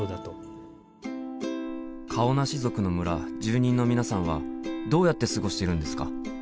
顔なし族の村住人の皆さんはどうやって過ごしているんですか？